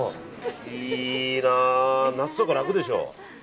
いいな、夏とか楽でしょ。